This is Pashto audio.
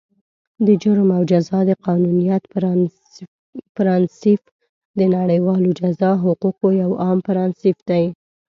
د جرم او جزا د قانونیت پرانسیپ، د نړیوالو جزا حقوقو یو عام پرانسیپ دی.